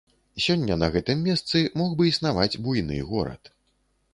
Сёння на гэтым месцы мог бы існаваць буйны горад.